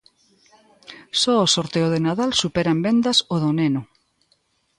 Só o sorteo de Nadal supera en vendas o do Neno.